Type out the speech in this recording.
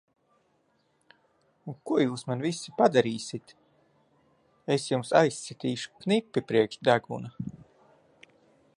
Un ko jūs man visi padarīsit! Es jums aizsitīšu knipi priekš deguna!